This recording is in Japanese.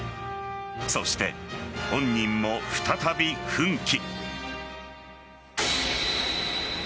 そして、本人も再び奮起。